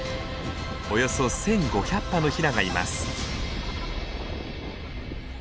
およそ１，５００羽のヒナがいます。